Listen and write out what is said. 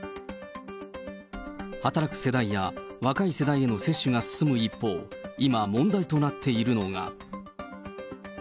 働く世代や若い世代への接種が進む一方、今、問題となっているのが。